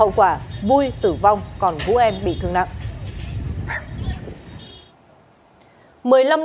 hậu quả vui tử vong còn vũ em bị thương nặng